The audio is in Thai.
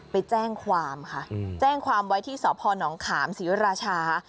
ไปแจ้งความค่ะแจ้งความไว้ที่สพนขามศรีราชา